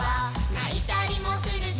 「ないたりもするけれど」